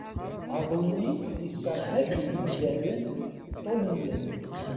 Aḍu-nni yesserhajen imdaden ṭul n yiḍ.